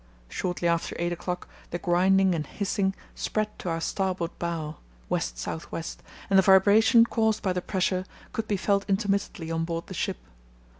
Shortly after 8 o'clock the grinding and hissing spread to our starboard bow (west south west), and the vibration caused by the pressure could be felt intermittently on board the ship....